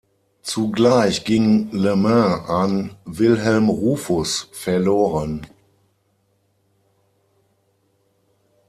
Zugleich ging Le Mans an Wilhelm Rufus verloren.